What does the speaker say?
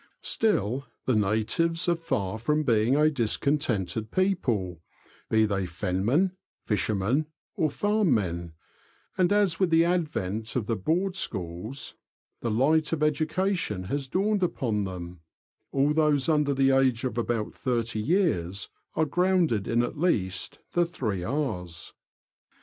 Still, the natives are far from being a discontented people, be they fenmen, fishermen, or farm men ; and as with the advent of the Board Schools the light of education has dawned upon them, all those under the age of about thirty years are grounded in at least the three '' R's.''